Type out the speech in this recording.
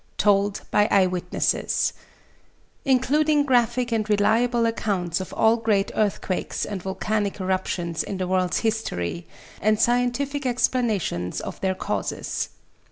TOLD BY EYE WITNESSES INCLUDING GRAPHIC AND RELIABLE ACCOUNTS OF ALL GREAT EARTHQUAKES AND VOLCANIC ERUPTIONS IN THE WORLD'S HISTORY, AND SCIENTIFIC EXPLANATIONS OF THEIR CAUSES.